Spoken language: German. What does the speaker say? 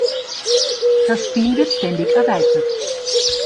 Das Spiel wird ständig erweitert.